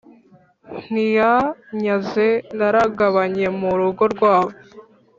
Ntiyanyaze naragabanye mu rugo rwabo